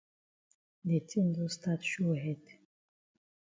De tin don stat show head.